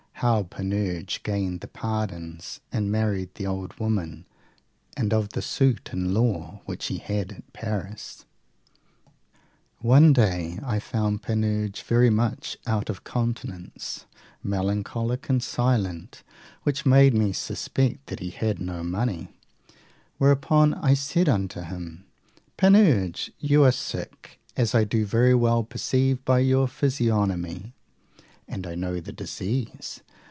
How Panurge gained the pardons, and married the old women, and of the suit in law which he had at Paris. One day I found Panurge very much out of countenance, melancholic, and silent; which made me suspect that he had no money; whereupon I said unto him, Panurge, you are sick, as I do very well perceive by your physiognomy, and I know the disease.